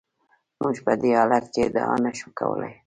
موږ په دې حالت کې ادعا نشو کولای.